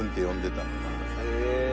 へえ。